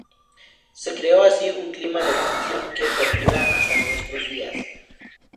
Se creó así un clima de tensión que perdura hasta nuestros días.